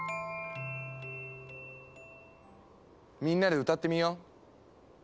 みんなで歌ってみよう。